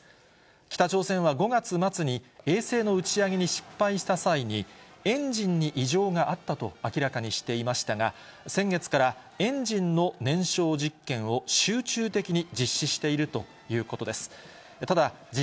北朝鮮は５月末に、衛星の打ち上げに失敗した際に、エンジンに異常があったと明らかにしていましたが、先月からエンジンの燃焼実験を集中的に実施しているということです。